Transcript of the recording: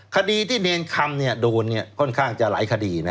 คดีที่เนรคำโดนค่อนข้างจะหลายคดีนะ